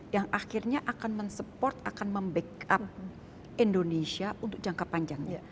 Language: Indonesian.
yang akhirnya akan men support akan mem backup indonesia untuk jangka panjangnya